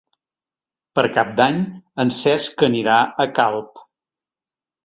Per Cap d'Any en Cesc anirà a Calp.